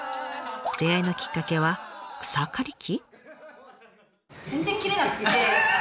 出会いのきっかけは草刈機！？